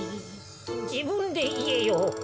じぶんでいえよ。